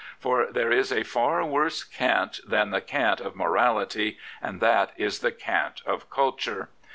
For there is a far worse cant than the cant of morality, and that is the cant of culture.